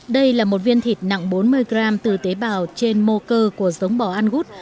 đây là một viên thịt nặng bốn mươi gram từ tế bào trên mô cơ của giống bò ăn gút